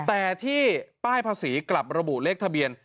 แต่ที่ป้ายภาษีกลับระบุเลขทะเบียน